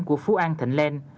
của phú an thịnh len